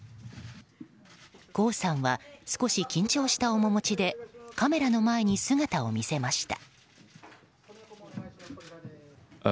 江さんは少し緊張した面持ちでカメラの前に姿を見せました。